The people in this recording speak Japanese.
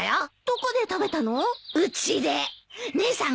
どこで買ったの？